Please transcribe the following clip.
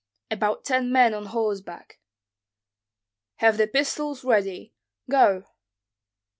"About ten men on horseback." "Have the pistols ready. Go!"